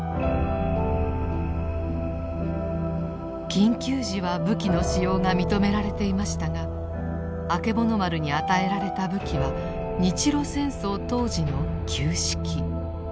緊急時は武器の使用が認められていましたがあけぼの丸に与えられた武器は日露戦争当時の旧式。